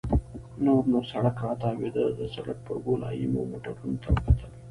نور نو سړک راتاوېده، د سړک پر ګولایې مو موټرو ته وکتل.